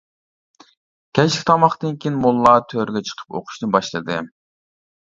كەچلىك تاماقتىن كېيىن موللا تۆرگە چىقىپ ئوقۇشنى باشلىدى.